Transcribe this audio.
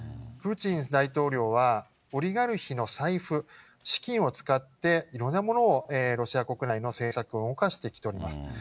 プーチン大統領は、オリガルヒの財布、資金を使っていろんなものをロシア国内の政策を動かしてきております。